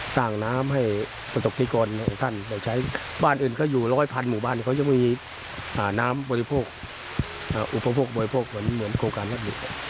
สร้างน้ำให้ประสบคิกรท่านบ้านอื่นก็อยู่๑๐๐๐๐๐หมู่บ้านเขาจะมีน้ำบริโภคอุปโภคบริโภคเหมือนโครงการร่านบริก